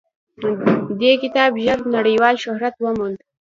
دې کتاب ژر نړیوال شهرت وموند.